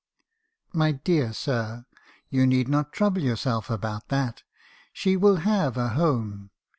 " 'My dear sir, you need not trouble yourself about that; she will have a home.